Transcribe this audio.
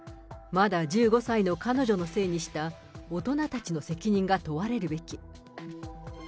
まだ１５歳の彼女のせいにした大人たちの責任が問われるべき。